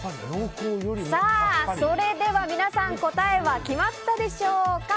それでは皆さん答えは決まったでしょうか。